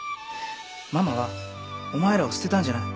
ママはお前らを捨てたんじゃない。